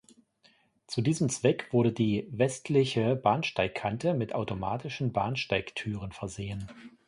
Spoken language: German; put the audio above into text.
Zu diesem Zweck wurde die westliche Bahnsteigkante mit automatischen Bahnsteigtüren versehen.